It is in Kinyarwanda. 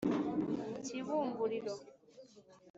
Kibumbuliro